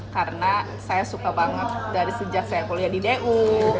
karena saya suka banget dari sejak saya kuliah di du